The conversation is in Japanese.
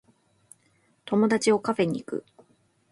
友達をカフェに行く